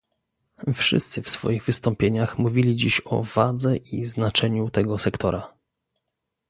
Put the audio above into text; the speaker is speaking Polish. Wszyscy w swoich wystąpieniach mówili dziś o wadze i znaczeniu tego sektora